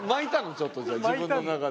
ちょっとじゃあ自分の中で。